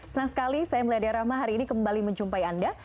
senang sekali saya meladia rahma hari ini kembali menjumpai anda